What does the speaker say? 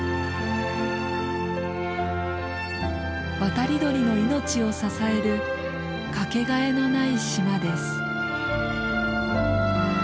渡り鳥の命を支えるかけがえのない島です。